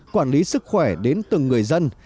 quản lý sức khỏe đến từng người dân